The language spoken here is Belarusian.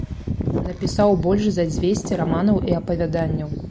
Напісаў больш за дзвесце раманаў і апавяданняў.